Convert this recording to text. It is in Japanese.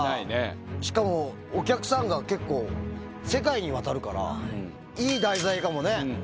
しかも、お客さんが結構、世界に渡るから、いい題材かもね。